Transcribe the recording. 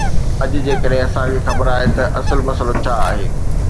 اڄ جيڪڏهن اسان کي خبر آهي ته اصل مسئلو ڇا آهي.